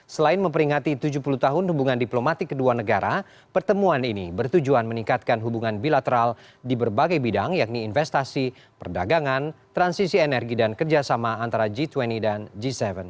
selain memperingati tujuh puluh tahun hubungan diplomatik kedua negara pertemuan ini bertujuan meningkatkan hubungan bilateral di berbagai bidang yakni investasi perdagangan transisi energi dan kerjasama antara g dua puluh dan g tujuh